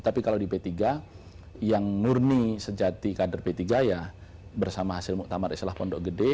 tapi kalau di p tiga yang murni sejati kader p tiga ya bersama hasil muktamar islah pondok gede